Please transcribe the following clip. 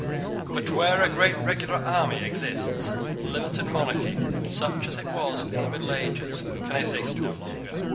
But, where a great regular army exists, limited monarchy, such as it was in the middle ages, can exist no longer.